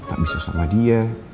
tak bisa sama dia